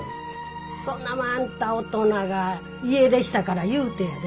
そんなもんあんた大人が家出したからいうてやで？